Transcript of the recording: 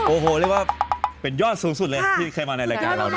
โอ้โหเรียกว่าเป็นยอดสูงสุดเลยที่เคยมาในรายการเรานะ